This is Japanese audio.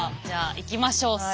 じゃあいきましょう。